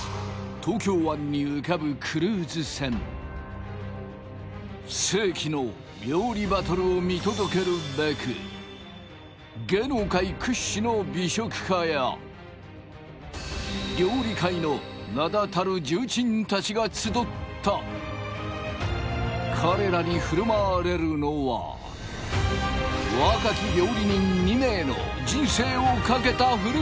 東京湾に浮かぶクルーズ船世紀の料理バトルを見届けるべく芸能界屈指の美食家や料理界の名だたる重鎮たちが集った彼らに振る舞われるのは若き料理人２名のでもきれいよ